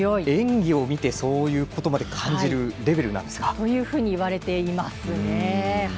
演技を見てそういうことまで感じるレベルなんですか。と言われていますね。